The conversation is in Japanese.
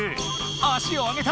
足を上げた！